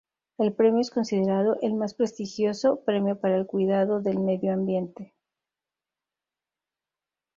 El premio es considerado el más prestigioso premio para el cuidado del medio ambiente.